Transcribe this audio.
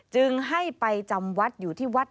จึงให้ไปจำวัดอยู่ที่วัด